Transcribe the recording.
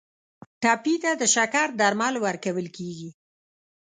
ټپي ته د شکر درمل ورکول کیږي.